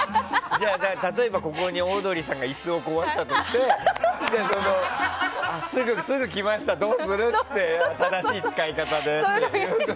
例えばここにオードリーさんが椅子を壊したとしてすぐ来ました、どうする？って正しい使い方で。